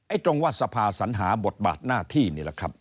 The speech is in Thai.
ตรงว่าสภาสัญหาบทบาทหน้าที่นี่แหละครับ